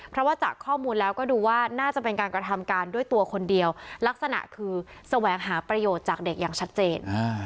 เพราะว่าจากข้อมูลแล้วก็ดูว่าน่าจะเป็นการกระทำการด้วยตัวคนเดียวลักษณะคือแสวงหาประโยชน์จากเด็กอย่างชัดเจน